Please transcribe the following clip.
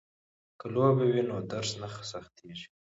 که لوبه وي نو درس نه سختيږي.